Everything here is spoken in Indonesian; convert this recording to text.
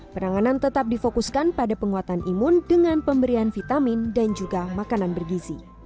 penanganan tetap difokuskan pada penguatan imun dengan pemberian vitamin dan juga makanan bergizi